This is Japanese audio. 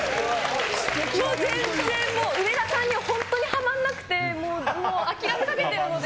もう全然、上田さんには本当にはまんなくて、もう、もう、諦めかけてるので。